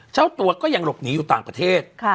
เจ้าตัวก็ยังหลบหนีอยู่ต่างประเทศ